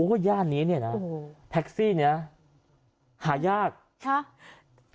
โอ้ยย่านนี้เนี้ยนะโอ้โหแพ็คซี่เนี้ยหายากครับ